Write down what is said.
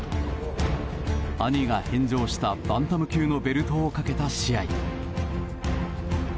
兄が返上したバンタム級のベルトをかけた試合。